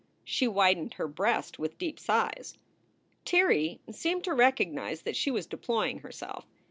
She widened her breast with deep sighs. Tirrey seemed to recognize that she was deploying herself.